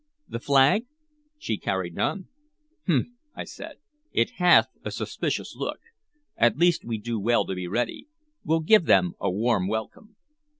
"The flag?" "She carried none." "Humph!" I said. "It hath a suspicious look. At least we do well to be ready. We'll give them a warm welcome."